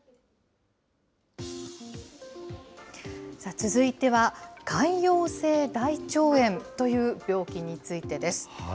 続いては、潰瘍性大腸炎という病気についてです。